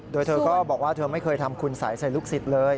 โดยเธอก็บอกว่าเธอไม่เคยทำคุณสัยใส่ลูกศิษย์เลย